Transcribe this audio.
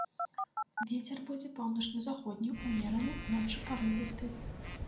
Вецер будзе паўночна-заходні ўмераны, ноччу парывісты.